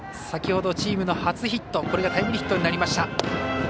先ほどチームの初ヒットこれがタイムリーヒットになりました。